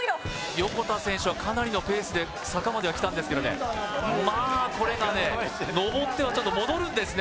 横田選手はかなりのペースで坂までは来たんですけどねまあこれがね上ってはちょっと戻るんですね